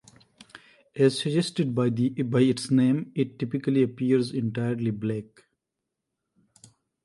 As suggested by its name, it typically appears entirely black.